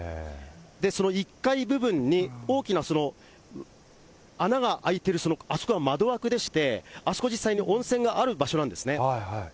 その１階部分に大きな穴が開いてる、あそこは窓枠でして、あそこ、実際に温泉がある場所なんですね。